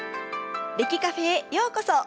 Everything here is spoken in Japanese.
歴Ｃａｆｅへようこそ。